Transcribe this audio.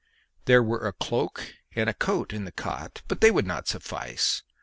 There were a cloak and a coat in the cot, but they would not suffice.